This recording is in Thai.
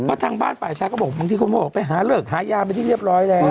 ก็ทางบ้านไปพ่อชายก็บอกบางทีก็บอกไปหาเลิกหายาไม่ได้เรียบร้อยแล้ว